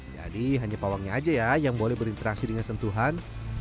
jadi hanya pawangnya aja ya yang boleh berinteraksi dengan sentuhan